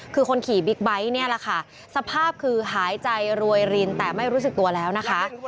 คือคนขี่บิ๊กไบท์เนี่ยแหละค่ะสภาพคือหายใจรวยรินแต่ไม่รู้สึกตัวแล้วนะคะ